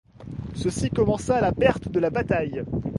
Ceci commença la perte de la bataille.